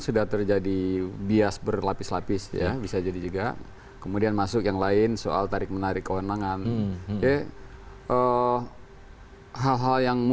setelah aja dabriku tetaplah bersama kami di cnn indonesia prime news